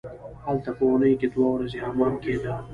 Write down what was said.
هلته په اونۍ کې دوه ورځې حمام کیده.